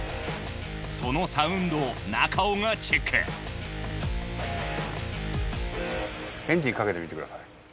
そのサウンドを中尾がチェックエンジンかけてみてください。